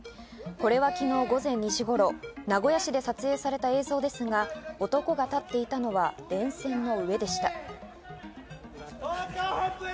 これは昨日午前２時頃、名古屋市で撮影された映像ですが、男が立っていたのは電線の上でした。